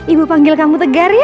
ibu panggil kamu tegar ya